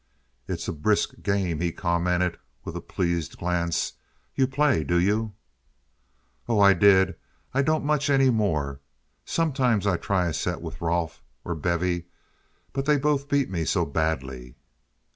"It's a brisk game," he commented, with a pleased glance. "You play, do you?" "Oh, I did. I don't much any more. Sometimes I try a set with Rolfe or Bevy; but they both beat me so badly."